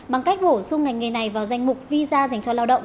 bằng cách bổ sung ngành nghề này vào danh mục visa dành cho lao động